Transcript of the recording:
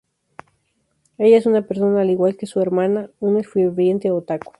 Ella es una persona al igual que su hermano, una ferviente Otaku.